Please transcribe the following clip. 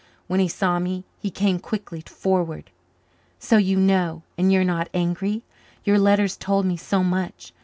When he saw me he came quickly forward. "So you know and you are not angry your letters told me so much.